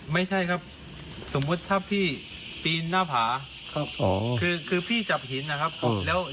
ไม่ใช่ครับสมมุติถ้าพี่ปีนหน้าผาครับคือพี่จับหินนะครับ